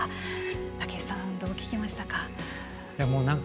武井さん、どう聞きましたか？